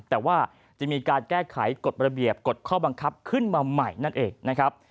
แต่ว่าจะมีการแก้ไขกฎระเบียบกฎข้อบังคับขึ้นมาใหม่นั่นเองนะครับ